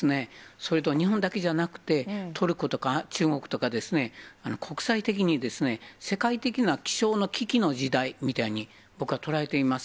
それと日本だけじゃなくて、トルコとか中国とかですね、国際的に、世界的な気象の危機の時代みたいに僕は捉えています。